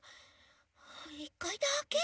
１かいだけよ。